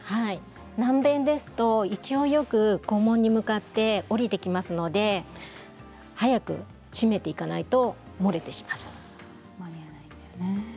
軟便ですと勢いよく肛門に向かって下りていきますので早く締めていかないと漏れてしまいます。